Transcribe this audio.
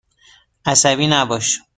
عصبی نباش.